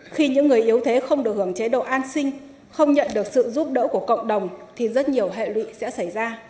khi những người yếu thế không được hưởng chế độ an sinh không nhận được sự giúp đỡ của cộng đồng thì rất nhiều hệ lụy sẽ xảy ra